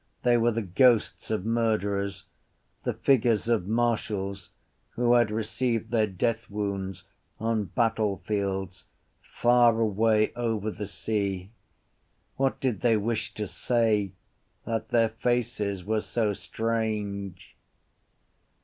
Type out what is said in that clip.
They were the ghosts of murderers, the figures of marshals who had received their deathwound on battlefields far away over the sea. What did they wish to say that their faces were so strange?